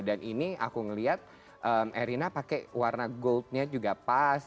dan ini aku ngeliat erina pakai warna gold nya juga pas